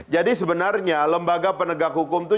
jadi sebenarnya lembaga penegak hukum itu